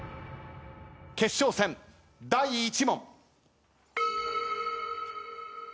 決勝戦第１問。